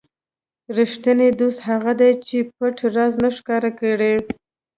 ریښتینی دوست هغه دی چې پټ راز نه ښکاره کړي.